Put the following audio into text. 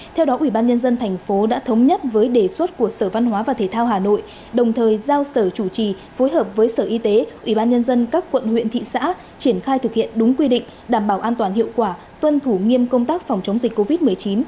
theo đó ubnd tp đã thống nhất với đề xuất của sở văn hóa và thể thao hà nội đồng thời giao sở chủ trì phối hợp với sở y tế ủy ban nhân dân các quận huyện thị xã triển khai thực hiện đúng quy định đảm bảo an toàn hiệu quả tuân thủ nghiêm công tác phòng chống dịch covid một mươi chín